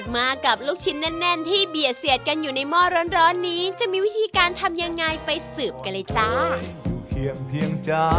มากับลูกชิ้นแน่นที่เบียดเสียดกันอยู่ในหม้อร้อนนี้จะมีวิธีการทำยังไงไปสืบกันเลยจ้า